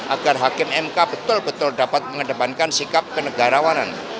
agar hakim mk betul betul dapat mengedepankan sikap kenegarawanan